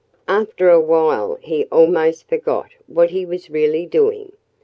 After a while he almost forgot what he was really doing.